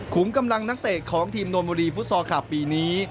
มกำลังนักเตะของทีมนวลบุรีฟุตซอลคลับปีนี้